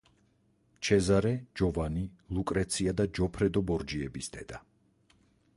ჩეზარე, ჯოვანი, ლუკრეცია და ჯოფრედო ბორჯიების დედა.